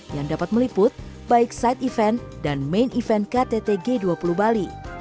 yang dapat meliput baik side event dan main event ktt g dua puluh bali